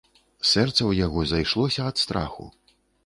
Сэрца ў яго зайшлося ад страху.